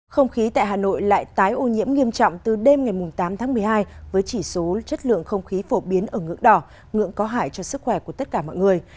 không khí tại hà nội lại tái ô nhiễm nghiêm trọng từ đêm ngày tám tháng một mươi hai với chỉ số chất lượng không khí phổ biến ở ngưỡng đỏ ngưỡng có hại cho sức khỏe của tất cả mọi người